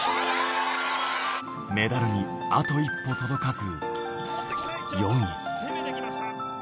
メダルにあと一歩届かず、４位。